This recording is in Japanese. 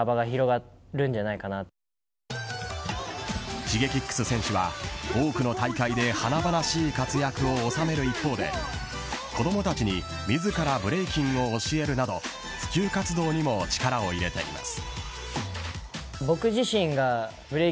Ｓｈｉｇｅｋｉｘ選手は多くの大会で華々しい活躍を収める一方で子供たちに自らブレイキンを教えるなど普及活動にも力を入れています。